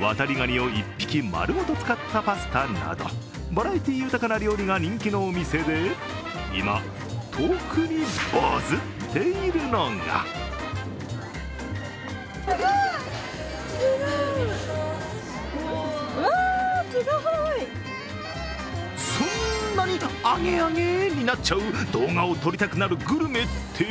ワタリガニを一匹まるごと使ったパスタなどバラエティー豊かな料理が人気のお店で、今、特にバズっているのがそんなにアゲアゲになっちゃう動画を撮りたくなるグルメって？